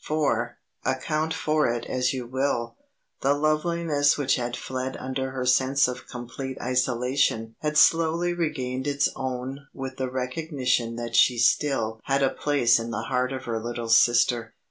For, account for it as you will, the loveliness which had fled under her sense of complete isolation had slowly regained its own with the recognition that she still had a place in the heart of her little sister.